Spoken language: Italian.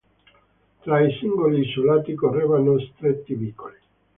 Tra i singoli isolati correvano stretti vicoli.